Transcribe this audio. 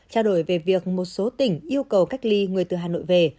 trao đổi về việc một số tỉnh yêu cầu cách ly người từ hà nội về